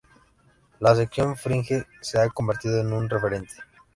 La sección Fringe se ha convertido en un referente.